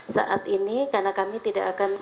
saat ini karena kami tidak akan